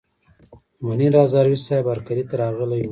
منیر هزاروي صیب هرکلي ته راغلي ول.